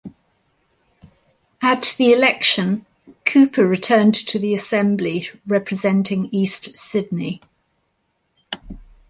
At the election Cowper returned to the Assembly representing East Sydney.